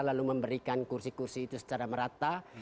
lalu memberikan kursi kursi itu secara merata